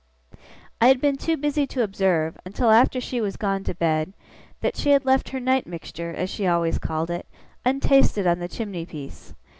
I had been too busy to observe, until after she was gone to bed, that she had left her night mixture, as she always called it, untasted on the chimney piece.